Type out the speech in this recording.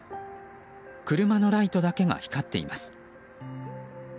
車のライトだけが光っています。